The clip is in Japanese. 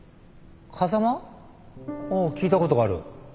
ああ聞いたことがある。